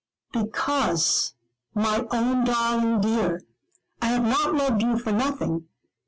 "Because, my own darling dear, I have not loved you for nothing.